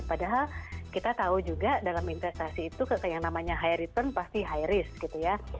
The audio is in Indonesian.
padahal kita tahu juga dalam investasi itu yang namanya high return pasti high risk gitu ya